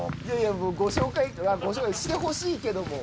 ご紹介してほしいけども。